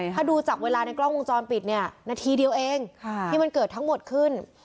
ถ้าดูจากเวลาในกล้องวงจรปิดเนี่ยนาทีเดียวเองที่มันเกิดทั้งหมดขึ้น